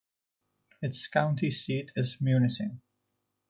Its county seat is Munising.